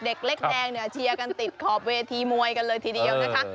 เด็กเล็กแดงเนี่ยเชียร์กันติดขอบเวทีมวยกันเลยทีเดียวนะคะ